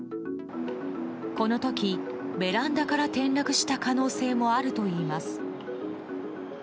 この時、ベランダから転落した可能性もあるといいます。